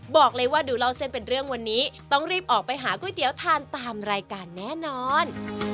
บอกเลยว่าดูเล่าเส้นเป็นเรื่องวันนี้ต้องรีบออกไปหาก๋วยเตี๋ยวทานตามรายการแน่นอน